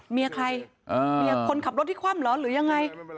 เมียใครเมียคนขับรถที่คว่ำเหรอหรือยังไง